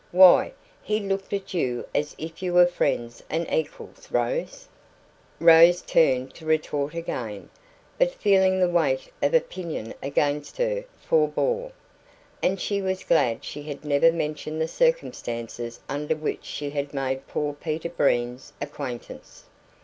Why, he looked at you as if you were friends and equals, Rose!" Rose turned to retort again, but feeling the weight of opinion against her, forbore. And she was glad she had never mentioned the circumstances under which she had made poor Peter Breen's acquaintance.